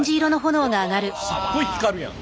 すっごい光るやん。